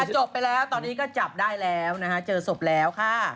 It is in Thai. จบไปแล้วตอนนี้ก็จับได้แล้วนะคะเจอศพแล้วค่ะ